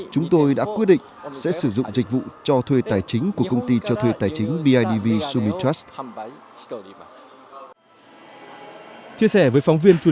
chúng tôi đã quyết định sẽ sử dụng dịch vụ cho thuê tài chính của công ty cho thuê tài chính bidv summitrax